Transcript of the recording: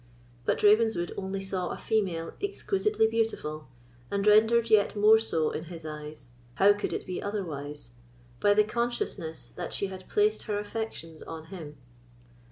But Ravenswood only saw a female exquisitely beautiful, and rendered yet more so in his eyes—how could it be otherwise?—by the consciousness that she had placed her affections on him.